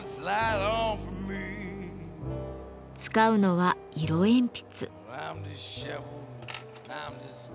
使うのは色鉛筆。